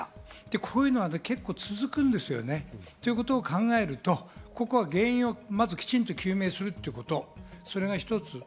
こういうのは結構続くんですよね。ということを考えると、ここは原因をきちんと究明するということ、それが一つ。